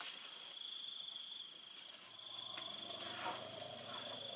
ติดต่อไปแล้ว